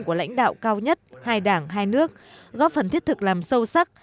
của lãnh đạo cao nhất hai đảng hai nước góp phần thiết thực làm sâu sắc